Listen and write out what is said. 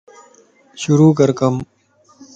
شروع ڪر ڪم